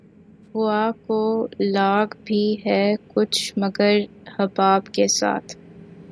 ہوا کو لاگ بھی ہے کچھ مگر حباب کے ساتھ